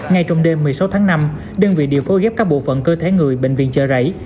ngay trong đêm một mươi sáu tháng năm đơn vị điều phối ghép các bộ phận cơ thể người bệnh viện chợ rẫy